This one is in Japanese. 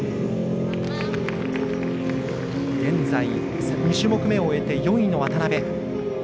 現在２種目めを終えて４位の渡部。